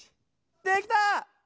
できた！